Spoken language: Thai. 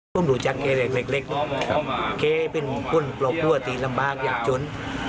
เขาเป็นคนปลอบบัวที่ลำบากอย่างจุ้น